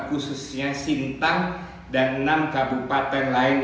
khususnya sintang dan enam kabupaten lain yang saat ini masih dilandung